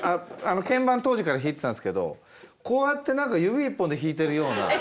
鍵盤当時から弾いてたんですけどこうやって何か指一本で弾いてるような。